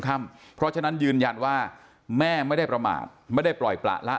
เพราะฉะนั้นยืนยันว่าแม่ไม่ได้ประมาทไม่ได้ปล่อยประละ